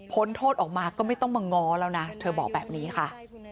โทษออกมาก็ไม่ต้องมาง้อแล้วนะเธอบอกแบบนี้ค่ะ